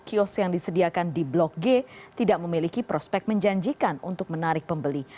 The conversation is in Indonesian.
kios yang disediakan di blok g tidak memiliki prospek menjanjikan untuk menarik pembeli